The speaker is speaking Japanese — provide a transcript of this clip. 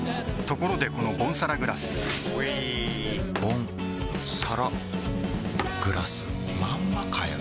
ところでこのボンサラグラスうぃボンサラグラスまんまかよ